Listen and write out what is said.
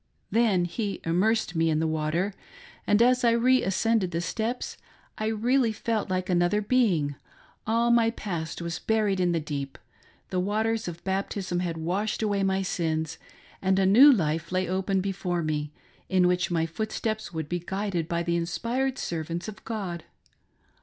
Then he immersed me in the water ; and as I reascended the steps, I really felt like another being: all my past was buried in the deep — the waters of baptism had washed away my sins ; and a new life lay open before me, in which my foot steps would be guided by the inspired servants of God.